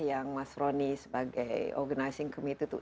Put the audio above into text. yang mas roni sebagai organizing committee itu